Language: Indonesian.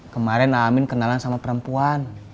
kemarin amin kenalan sama perempuan